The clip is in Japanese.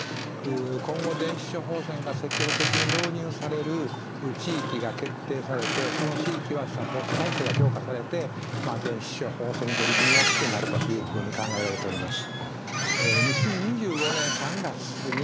今後電子処方箋が積極的に導入される地域が決定されてその地域はサポート体制が強化されて電子処方箋に取り組みやすくなるというふうに考えられております。